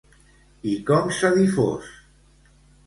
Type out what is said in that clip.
I com s'ha difós?